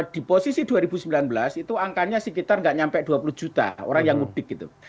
di posisi dua ribu sembilan belas itu angkanya sekitar nggak sampai dua puluh juta orang yang mudik gitu